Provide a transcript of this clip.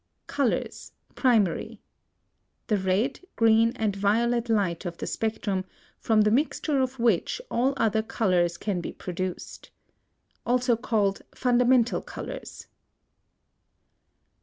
COLORS, PRIMARY. The red, green, and violet light of the spectrum, from the mixture of which all other colors can be produced. Also called fundamental colors.